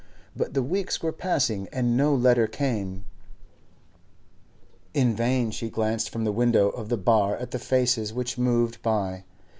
But the weeks were passing and no letter came; in vain she glanced from the window of the bar at the faces which moved by.